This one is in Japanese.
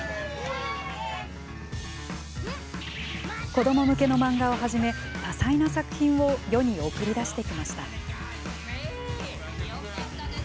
子ども向けの漫画をはじめ多彩な作品を世に送り出してきました。